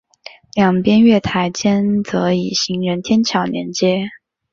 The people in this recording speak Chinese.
两边月台间则以行人天桥连接。